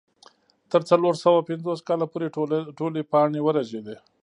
تر څلور سوه پنځوس کاله پورې ټولې پاڼې ورژېدې.